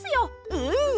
うん！